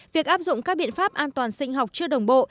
việc áp dụng các biện pháp an toàn sinh học chưa đồng bộ